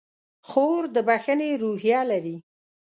خور د بښنې روحیه لري.